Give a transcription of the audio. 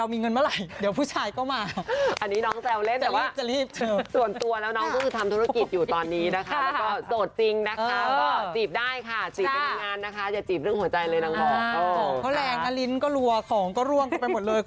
เดี๋ยวผู้ชายก็ตายละโฟกัสงานไปก่อนค่ะ